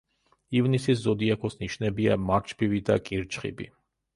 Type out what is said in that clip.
ივნისის ზოდიაქოს ნიშნებია მარჩბივი და კირჩხიბი.